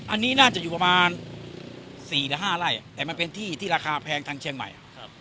อันนี้น่าจะอยู่ประมาณ๔๕ไร่แต่มันเป็นที่ที่ราคาแพงทางเชียงใหม่